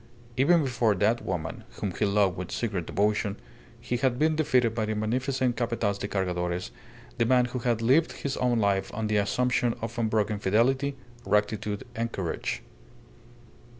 Even before that woman, whom he loved with secret devotion, he had been defeated by the magnificent Capataz de Cargadores, the man who had lived his own life on the assumption of unbroken fidelity, rectitude, and courage!